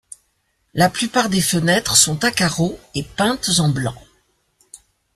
La plupart des fenêtres sont à carreaux et peintes en blanc.